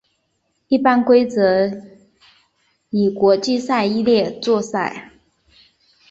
一般规则以国际赛例作赛。